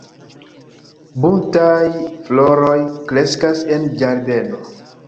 Buntaj floroj kreskas en ĝardeno.